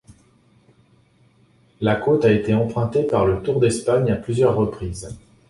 La côte a été empruntée par le Tour d'Espagne à plusieurs reprises.